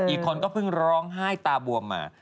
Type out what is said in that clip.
อีกคนก็เพิ่งร้องไห้ตาบวมมา